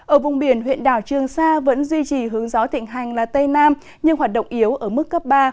ở vùng biển huyện đảo trường sa vẫn duy trì hướng gió thịnh hành là tây nam nhưng hoạt động yếu ở mức cấp ba